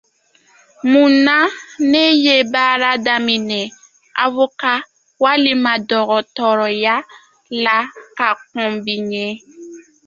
Mun na ne ye baara daminɛ avoka walima dɔgɔtɔrɔya la ka kɔn bi ɲɛ?